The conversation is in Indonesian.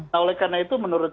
nah oleh karena itu menurut